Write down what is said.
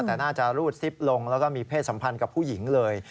แต่น่าจะรูดซิปลงแล้วก็มีเพศสัมพันธ์กับผู้หญิงเลย